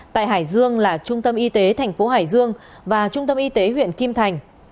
tại hải dương là trung tâm y tế tp hải dương và trung tâm y tế huyện kim thành